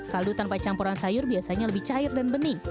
kaldu tanpa campuran sayur biasanya lebih cair dan bening